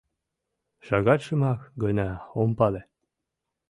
Шагатшымак гына ом пале.